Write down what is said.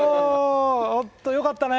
本当に良かったね。